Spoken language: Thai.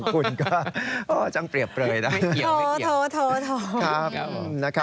คุณก็จังเปรียบเลยนะ